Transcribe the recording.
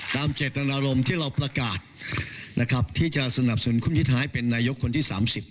เจตนารมณ์ที่เราประกาศนะครับที่จะสนับสนุนคุณพิทายเป็นนายกคนที่๓๐